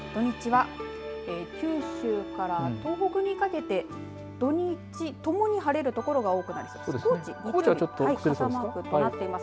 土日は、九州から東北にかけて土日ともに晴れる所が多くなります。